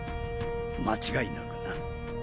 間違いなくな。